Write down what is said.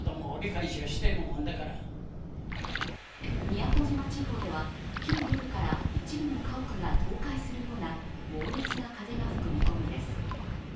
宮古島地方では今日夜から一部の家屋が倒壊するような猛烈な風が吹く見込みです。